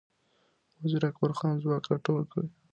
وزیر اکبرخان ځواک را ټول کړ